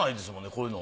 こういうの。